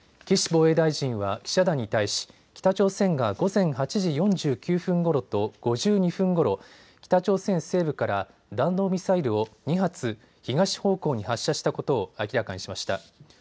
岸防衛大臣は記者団に対し北朝鮮が午前８時４９分ごろと５２分ごろ、北朝鮮西部から弾道ミサイルを２発、東方向に発射したことを明らかにしました。